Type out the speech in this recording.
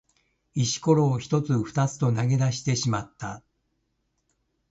石ころを一つ二つと投げ出してしまった。